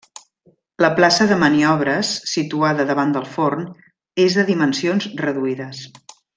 La plaça de maniobres, situada davant del forn, és de dimensions reduïdes.